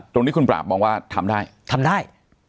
ตรงนี้คุณปราบมองว่าทำได้ทำได้